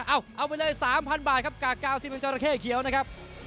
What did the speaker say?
เอาไปเลย๓๐๐บาทครับกากกาวซิเมนจราเข้เขียวนะครับ